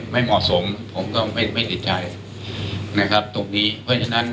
ไม่เหมาะสมผมก็ไม่ไม่ติดใจนะครับตรงนี้เพราะฉะนั้น